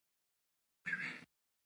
زه د رسنیو له لارې خلک پېژنم.